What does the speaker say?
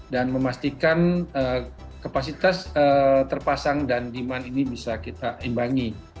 dan memastikan kapasitas terpasang dan demand ini bisa kita imbangi